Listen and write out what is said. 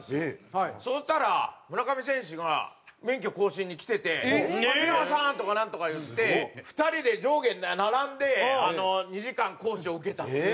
そしたら村上選手が免許更新に来てて「出川さーん」とかなんとか言って２人で上下に並んで２時間講習を受けたんですよ